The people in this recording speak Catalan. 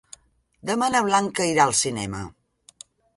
Demà na Blanca irà al cinema.